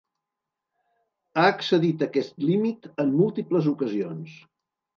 Ha excedit aquest límit en múltiples ocasions.